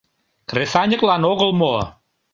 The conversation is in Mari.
Кресаньыклан огыл мо?